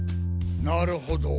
なるほど。